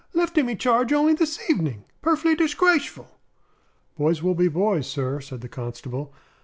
"Left immy charge only this evening, Perf'ly dishgrashful!" "Boys will be boys, sir," said the constable.